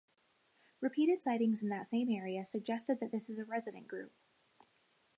Repeated sightings in that same area suggested that this is a resident group.